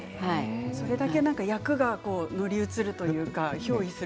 それだけ役が乗り移るというがひょう依する？